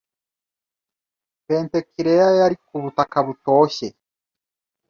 Pentekileya yari ku butaka butoshye